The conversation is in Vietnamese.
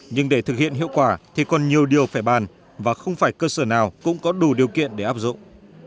nhưng để thực hiện hiệu quả thì còn nhiều điều phải bàn và không phải cơ sở nào cũng có đủ điều kiện để áp dụng